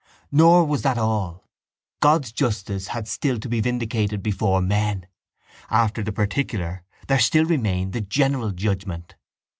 Nor was that all. God's justice had still to be vindicated before men: after the particular there still remained the general judgement.